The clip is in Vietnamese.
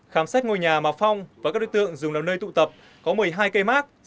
khám xét ngôi nhà mà phong và các đối tượng dùng nằm nơi tụ tập có một mươi hai cây mát